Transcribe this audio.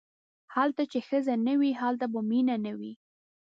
هلته چې ښځه نه وي هلته به مینه نه وي.